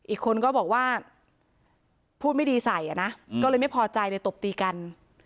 อีกคนก็บอกว่าพูดไม่ดีใส่อ่ะนะก็เลยไม่พอใจเลยตบตีกัน